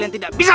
kau tak bisa